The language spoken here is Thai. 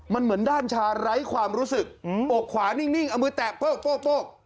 มันเหมือนด้านชาไร้ความรู้สึกออกขวานิ่งเอามือแตะโป๊ะโป๊ะโป๊ะ